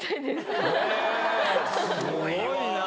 すごいなあ。